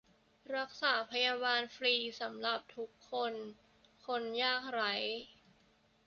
รักษาพยาบาลฟรีสำหรับ : ทุกคน คนยากไร้